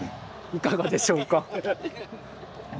いかがでしょうか。